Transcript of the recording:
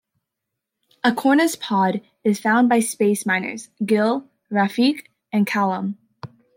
Acorna's pod is found by space miners: Gill, Rafik, and Calum.